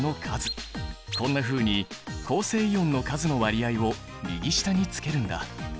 こんなふうに構成イオンの数の割合を右下につけるんだ。